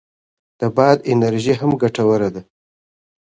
د باد انرژي هم ګټوره ده.